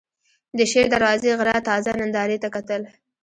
د شېر دروازې غره تازه نندارې ته کتل.